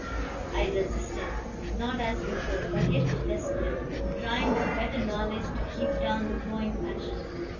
I resisted, not as before, but yet desperately, trying with better knowledge to keep down the growing passion.